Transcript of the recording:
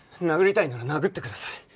殴りたいなら殴ってください。